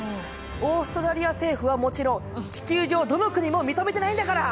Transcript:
オーストラリア政府はもちろん地球上どの国も認めてないんだから！